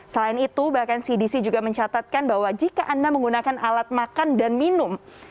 selain itu bahkan cdc juga mencatatkan bahwa jika anda menggunakan alat makan dan minum